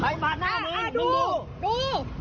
ให้มาหน้ามึงดูดู